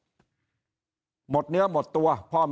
สวัสดีครับท่านผู้ชมครับสวัสดีครับท่านผู้ชมครับ